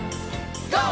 ＧＯ！